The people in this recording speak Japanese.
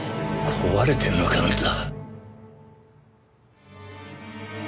壊れてるのかよあんた。